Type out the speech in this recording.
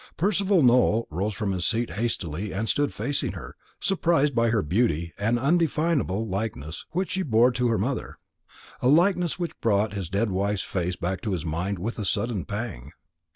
Percival Nowell rose from his seat hastily and stood facing her, surprised by her beauty and an indefinable likeness which she bore to her mother a likeness which brought his dead wife's face back to his mind with a sudden pang.